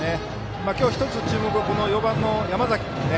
今日１つ注目は４番の山崎君ね。